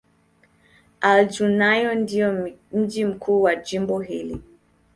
Al-Junaynah ndio mji mkuu wa jimbo hili.